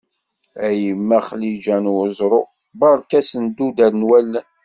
A yemma Xliǧa n Uẓru, berka asenduder n wallen.